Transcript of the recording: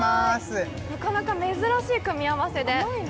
なかなか珍しい組み合わせで。